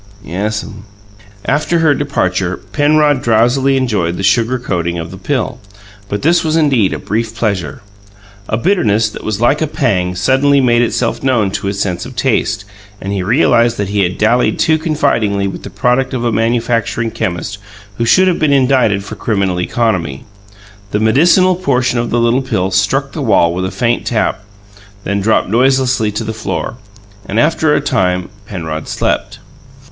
"Yes'm." After her departure Penrod drowsily enjoyed the sugar coating of the pill; but this was indeed a brief pleasure. A bitterness that was like a pang suddenly made itself known to his sense of taste, and he realized that he had dallied too confidingly with the product of a manufacturing chemist who should have been indicted for criminal economy. The medicinal portion of the little pill struck the wall with a faint tap, then dropped noiselessly to the floor, and, after a time, Penrod slept.